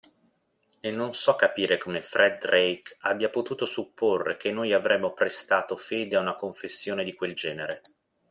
E non so capire come Fred Drake abbia potuto supporre che noi avremmo prestato fede a una confessione di quel genere!